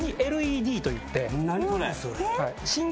何それ？